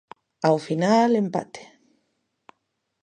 Ao final empate.